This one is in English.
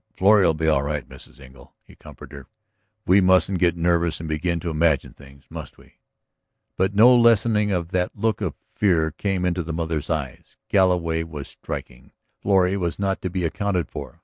"Oh, Florrie'll be all right, Mrs. Engle," he comforted her. "We mustn't get nervous and begin to imagine things, must we?" But no lessening of that look of fear came into the mother's eyes. Galloway was striking, Florrie was not to be accounted for.